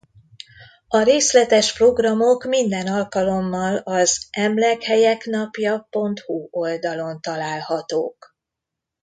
A részletes programok minden alkalommal az emlekhelyeknapja.hu oldalon találhatók.